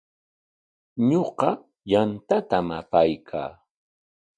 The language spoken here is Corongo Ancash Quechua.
Ñuqa yantatam apaykaa.